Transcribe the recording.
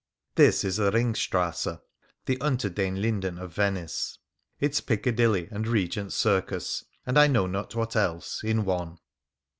This is the Ringstrasse, the Unter den Linden of Venice ; its Picca dilly and Regent Circus, and I know not what else, in one.